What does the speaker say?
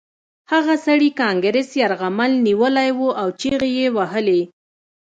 هغه سړي کانګرس یرغمل نیولی و او چیغې یې وهلې